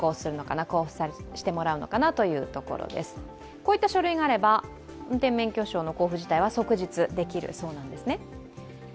こういった書類があれば運転免許証の交付自体は即日できるそうなんですね。